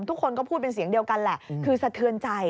ทุกคนก็พูดเป็นเสียงเดียวกันแหละคือสะเทือนใจ